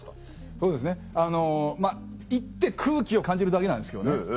そうですねあのまぁ行って空気を感じるだけなんですけどね。